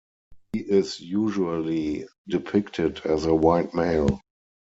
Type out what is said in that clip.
He is usually depicted as a white male.